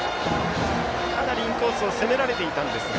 かなりインコースを攻められていたんですが